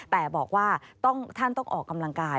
แต่บอกว่าท่านต้องออกกำลังกาย